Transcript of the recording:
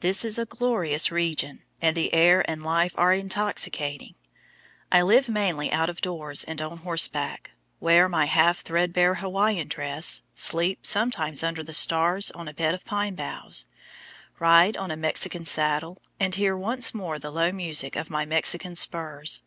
This is a glorious region, and the air and life are intoxicating. I live mainly out of doors and on horseback, wear my half threadbare Hawaiian dress, sleep sometimes under the stars on a bed of pine boughs, ride on a Mexican saddle, and hear once more the low music of my Mexican spurs.